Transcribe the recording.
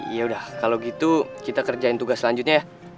yaudah kalo gitu kita kerjain tugas selanjutnya ya